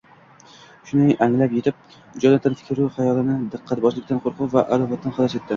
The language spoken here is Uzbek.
Shuni anglab yetib, Jonatan fikru xayolini diqqatbozlikdan, qo‘rquv va adovatdan xalos etdi